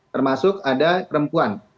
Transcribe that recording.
termasuk ada perempuan